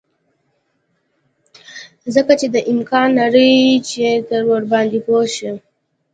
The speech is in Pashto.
ځکه چې دا امکان نلري چې ته ورباندې پوه شې